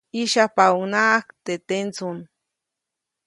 ʼYĩsyajpaʼunhnaʼajk teʼ tendsuŋ.